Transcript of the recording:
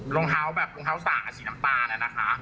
รองเท้าแบบรองเท้าสระสีน้ำตาลอะนะคะแล้วก็มีอุปกรณ์เอ่อ